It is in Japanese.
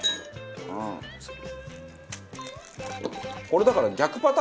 これだから。